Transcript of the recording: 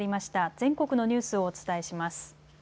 全国のニュースをお伝えします。